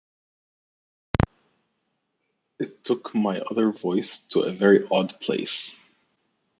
It took my other voice to a very odd place.